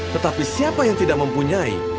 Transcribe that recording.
tetapi siapa yang tidak mempunyai